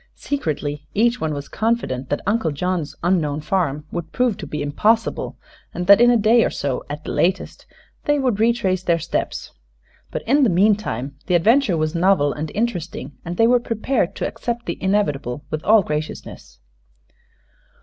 Secretly each one was confident that Uncle John's unknown farm would prove to be impossible, and that in a day or so at the latest they would retrace their steps. But in the meantime the adventure was novel and interesting, and they were prepared to accept the inevitable with all graciousness.